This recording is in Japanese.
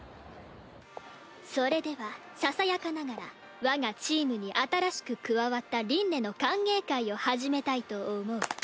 それではささやかながら我がチームに新しく加わった凛音の歓迎会を始めたいと思う。